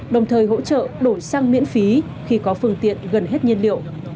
đồng thời hỗ trợ đổi sang miễn phí khi có phương tiện gần hết nhiên liệu